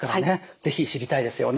是非知りたいですよね。